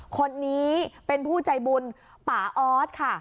คนนี้เป็นผู้ใจบุญป่าออสค่ะ